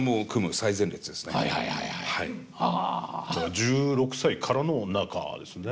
だから１６歳からの仲ですね。